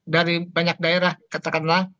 dari banyak daerah katakanlah